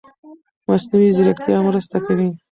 مصنوعي ځيرکتیا مرسته کوي.